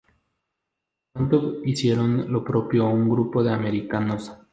Pronto hicieron lo propio un grupo de Americanos.